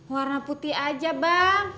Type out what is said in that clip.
warna putih aja bang